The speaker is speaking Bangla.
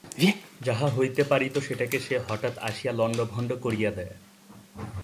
যাহা হইতে পারিত সেটাকে সে হঠাৎ আসিয়া লণ্ডভণ্ড করিয়া দেয়।